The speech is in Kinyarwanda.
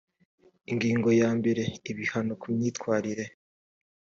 ingingo ya mbere ibihano kumyitwarire